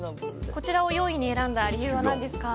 こちらを４位に選んだ理由は何ですか？